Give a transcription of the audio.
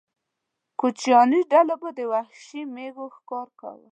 کوچیاني ډلو به د وحشي مېږو ښکار کاوه.